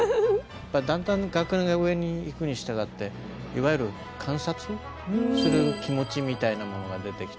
だんだん学年が上にいくにしたがっていわゆる観察する気持ちみたいなものが出てきて。